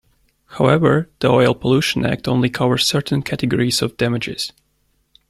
However, the Oil Pollution Act only covers certain categories of damages.